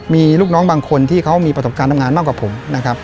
มีลูกน้องบางคนที่เขามีประสบการณ์ทำงานมากกว่าผมนะครับ